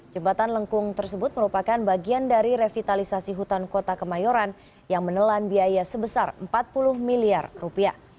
jembatan lengkung tersebut merupakan bagian dari revitalisasi hutan kota kemayoran yang menelan biaya sebesar empat puluh miliar rupiah